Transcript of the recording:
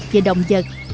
về động vật